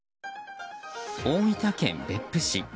大分県別府市。